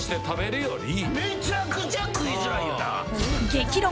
［激論。